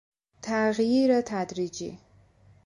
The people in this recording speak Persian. تغییر تدریجی